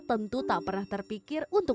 tentu tak pernah terpikir untuk